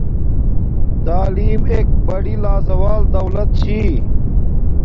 تعیلم ایک بڑی لازوال دولت چھی